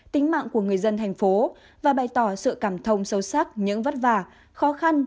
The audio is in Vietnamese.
tính mạng của người dân thành phố và bày tỏ sự cảm thông sâu sắc những vất vả khó khăn